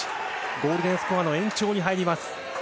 ゴールデンスコアの延長に入ります。